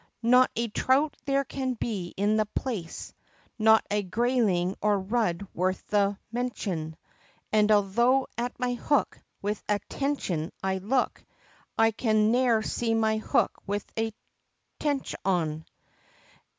Not a Trout there can be in the place, Not a Grayling or Rud worth the mention, And although at my hook With attention I look, I can ne'er see my hook with a Tench on!